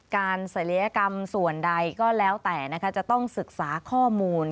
การเสรียกรรมส่วนใดก็แล้วแต่จะต้องศึกษาข้อมูล